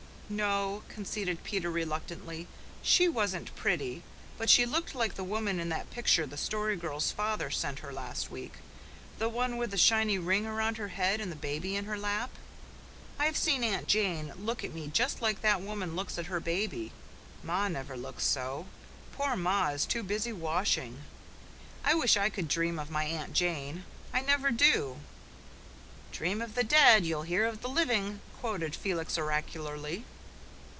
"No," conceded Peter reluctantly, "she wasn't pretty but she looked like the woman in that picture the Story Girl's father sent her last week the one with the shiny ring round her head and the baby in her lap. I've seen Aunt Jane look at me just like that woman looks at her baby. Ma never looks so. Poor ma is too busy washing. I wish I could dream of my Aunt Jane. I never do." "'Dream of the dead, you'll hear of the living,'" quoted Felix oracularly.